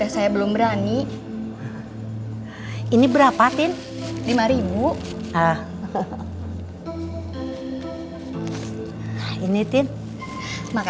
sebenarnya sih saya kepingin mak